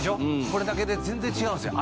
これだけで全然違うんですよ